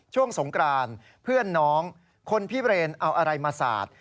ช่วงสงกรานเพื่อนน้องคนพิเรนเอาอะไรมาสาด